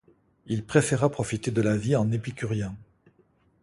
Il préféra profiter de la vie en épicurien.